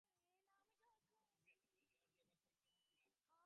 যোগীর আদর্শ জড়-জগৎ হইতে মুক্তিলাভ।